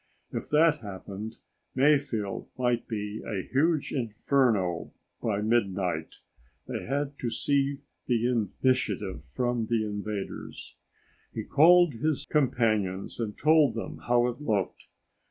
If that happened, Mayfield might be a huge inferno by midnight. They had to seize the initiative from the invaders. He called his companions and told them how it looked.